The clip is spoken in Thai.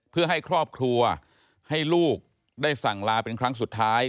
เพื่อให้ครอบครัวให้ลูกได้สั่งลาเป็นครั้งสุดท้าย